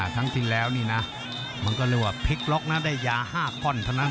ทั้งที่แล้วนี่นะมันก็เรียกว่าพลิกล็อกนะได้ยา๕ข้อนเท่านั้น